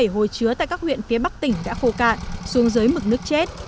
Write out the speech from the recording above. bảy mươi bảy hồ chứa tại các huyện phía bắc tỉnh đã khô cạn xuống dưới mực nước chết